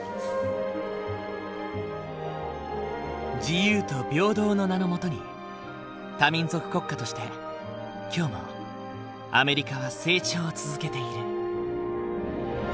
自由と平等の名の下に多民族国家として今日もアメリカは成長を続けている。